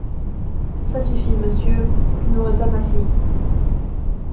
Ça suffit, monsieur… vous n’aurez pas ma fille.